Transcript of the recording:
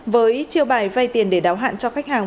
với chiêu bài vay tiền để đáo hạn cho khách hàng